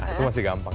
itu masih gampang